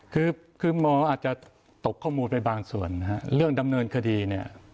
คือคือหมออาจจะตกข้อมูลไปบางส่วนนะฮะเรื่องดำเนินคดีเนี่ย